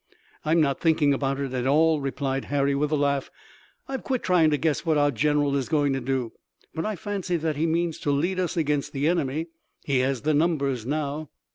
"I'm not thinking about it at all," replied Harry with a laugh. "I've quit trying to guess what our general is going to do, but I fancy that he means to lead us against the enemy. He has the numbers now."